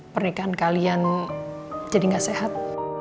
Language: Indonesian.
pernikahan kalian jadi gak sehat